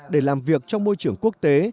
để làm việc trong môi trường quốc tế